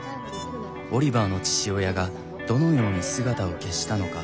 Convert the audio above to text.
オリバーの父親がどのように姿を消したのか？